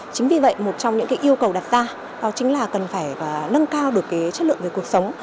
chính vì vậy một trong những yêu cầu đặt ra đó chính là cần phải nâng cao được chất lượng về cuộc sống